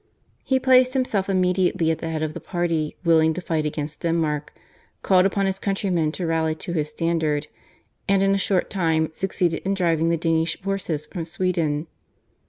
He placed himself immediately at the head of the party willing to fight against Denmark, called upon his countrymen to rally to his standard, and in a short time succeeded in driving the Danish forces from Sweden.